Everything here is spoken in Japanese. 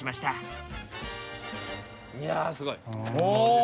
いやすごい。